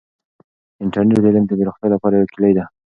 انټرنیټ د علم د پراختیا لپاره یوه کیلي ده.